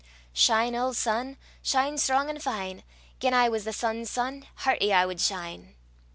Shine, auld sun, Shine strang an' fine: Gien I was the sun's son, Herty I wad shine.